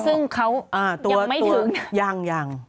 ซึ่งเขายังไม่ถึง